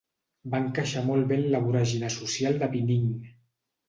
Va encaixar molt bé en la voràgine social de Vining.